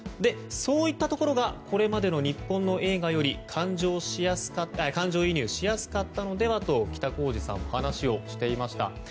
そういったところがこれまでの日本の映画より感情移入しやすかったのではと北小路さんは話をしていました。